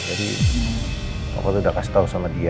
jadi papa tuh udah kasih tau sama dia nya